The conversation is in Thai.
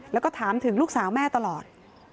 แล้วก็ถามถึงลูกสาวแม่ตลอด